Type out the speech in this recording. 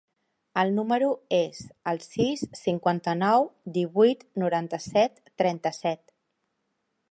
El meu número es el sis, cinquanta-nou, divuit, noranta-set, trenta-set.